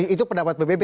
itu pendapat pbb